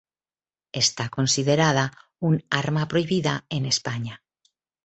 Está considerada un "arma prohibida" en España.